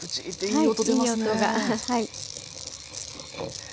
はい。